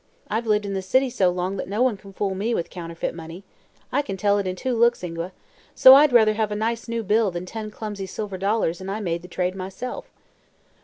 I've lived in the city so long that no one can fool me with counterfeit money. I can tell it in two looks, Ingua. So I'd rather have a nice new bill than ten clumsy silver dollars and I made the trade myself."